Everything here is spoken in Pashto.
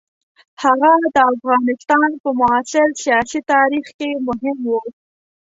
هغه د افغانستان په معاصر سیاسي تاریخ کې مهم وو.